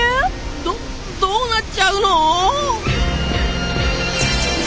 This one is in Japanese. どどうなっちゃうの？